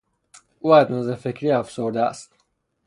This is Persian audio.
او از نظر فکری افسرده است.